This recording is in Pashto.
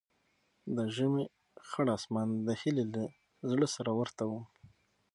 د ژمي خړ اسمان د هیلې له زړه سره ورته و.